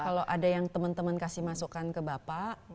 kalau ada yang teman teman kasih masukan ke bapak